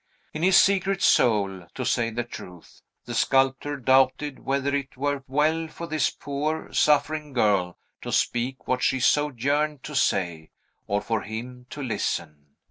In his secret soul, to say the truth, the sculptor doubted whether it were well for this poor, suffering girl to speak what she so yearned to say, or for him to listen.